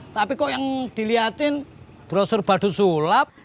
tapi kok yang diliatin brosur badut sulap